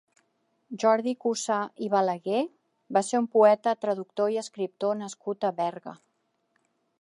Jordi Cussà i Balaguer va ser un poeta, traductor i escriptor nascut a Berga.